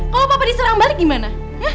kalau bapak diserang balik gimana